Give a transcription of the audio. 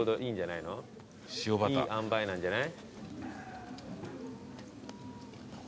いいあんばいなんじゃない？